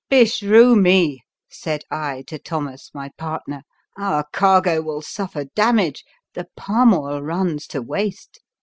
" Beshrew me," said I to Thomas, my partner, '* our cargo will suffer damage — the palm oil runs to waste.